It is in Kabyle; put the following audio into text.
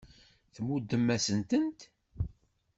Tmuddem-asent-tent.